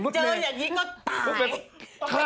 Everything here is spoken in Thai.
เจออย่างนี้ก็ตาย